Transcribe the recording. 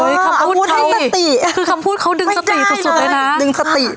เออคำพูดเขาคือคำพูดเขาดึงสติสุดสุดเลยนะไม่ได้เลยดึงสติ